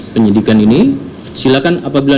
penyelidikan ini silakan apabila